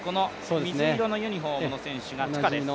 水色のユニフォームの選手がトゥカです。